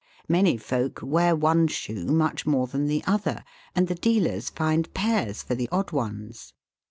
Many folk wear one shoe much more than the other, and the dealers find pairs for the odd ones.